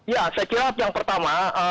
ya saya kira yang pertama